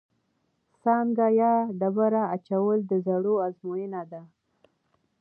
سانګه یا ډبره اچول د زور ازموینه ده.